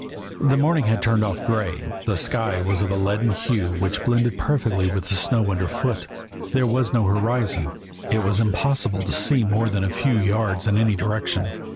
The morning had turned off gray, the sky was of a leaden hue which blended perfectly with the snow underfoot, there was no horizon, it was impossible to see more than a few yards in any direction.